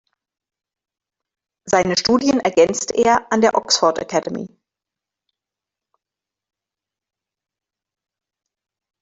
Seine Studien ergänzte er an der Oxford Academy.